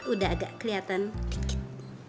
udah agak kelihatan dikit kit